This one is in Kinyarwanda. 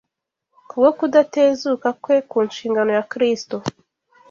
kubwo kudatezuka kwe ku nshingano ya Kristo